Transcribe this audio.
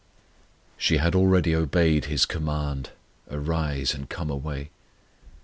She had already obeyed His command, "Arise, and come away."